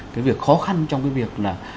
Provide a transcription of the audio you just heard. cái việc khó khăn trong cái việc là